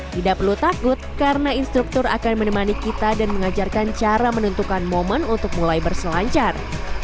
tidak perlu takut karena instruktur akan menemani kita dan mengajarkan cara menentukan momen untuk mulai berselancar